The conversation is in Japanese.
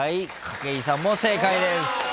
筧さんも正解です。